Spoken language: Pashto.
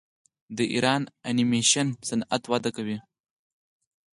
د ایران انیمیشن صنعت وده کوي.